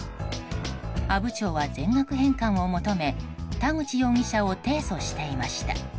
阿武町は全額返還を求め田口容疑者を提訴していました。